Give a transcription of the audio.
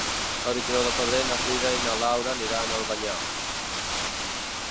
El vint-i-nou de febrer na Frida i na Laura aniran a Albanyà.